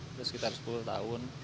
udah sekitar sepuluh tahun